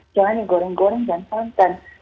jangan yang goreng goreng dan santan